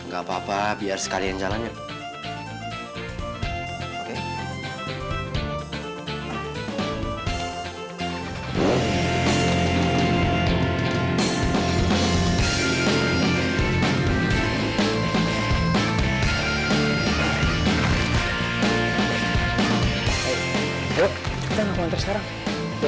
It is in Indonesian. gak apa apa biar sekalian jalan yuk